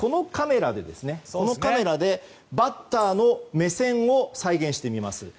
このカメラでバッターの目線を再現してみます。